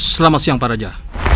selamat siang pak raja